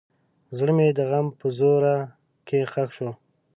زړه مې د غم په ژوره کې ښخ شو.